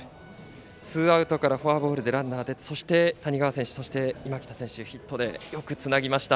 ツーアウトからフォアボールでランナーが出て谷川選手、今北選手のヒットでよくつなぎました。